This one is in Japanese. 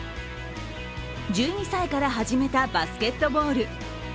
１２歳から始めたバスケットボール。